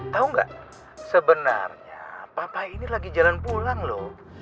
tau ga sebenarnya papa ini lagi jalan pulang loh